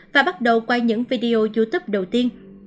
và bắt đầu quay những video youtube đầu tiên